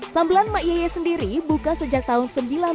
sambelan maieye sendiri buka sejak tahun seribu sembilan ratus delapan puluh dua